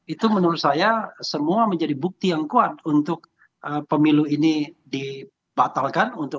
itu menurut saya semua menjadi bukti yang kuat untuk pemilu ini dibatalkan